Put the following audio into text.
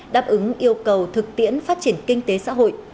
đáp ứng yêu cầu thực tiễn phát triển kinh tế xã hội